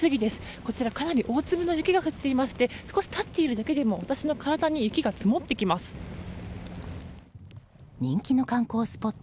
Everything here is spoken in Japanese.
こちらかなり大粒の雪が降っていまして少し立っているだけでも私の体に人気の観光スポット